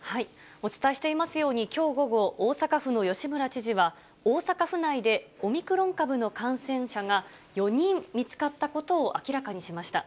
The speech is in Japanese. お伝えしていますように、きょう午後、大阪府の吉村知事は、大阪府内でオミクロン株の感染者が４人見つかったことを明らかにしました。